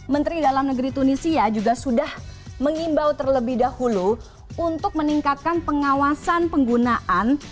dua ribu empat belas menteri dalam negeri tunisia juga sudah mengimbau terlebih dahulu untuk meningkatkan pengawasan penggunaan